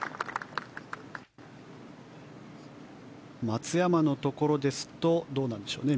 松山のところですとどうなんでしょうね。